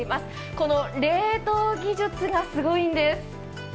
この冷凍技術がすごいんです。